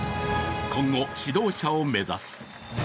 今後、指導者を目指す。